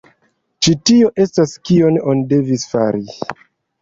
Ĉi tio estas kion oni devis fari.